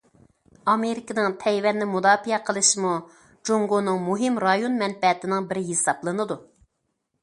ئامېرىكىنىڭ تەيۋەننى مۇداپىئە قىلىشىمۇ جۇڭگونىڭ مۇھىم رايون مەنپەئەتىنىڭ بىرى ھېسابلىنىدۇ.